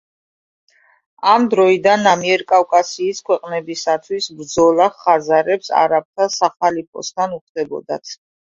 ამ დროიდან ამიერკავკასიის ქვეყნებისათვის ბრძოლა ხაზარებს არაბთა სახალიფოსთან უხდებოდათ.